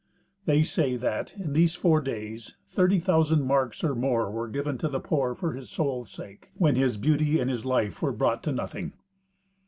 They say that, in these four days, thirty thousand marks, or more, were given to the poor for his soul's sake, when his beauty and his life were brought to nothing.